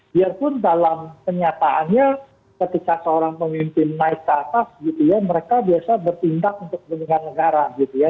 biarpun dalam kenyataannya ketika seorang pemimpin naik ke atas gitu ya mereka biasa bertindak untuk kepentingan negara gitu ya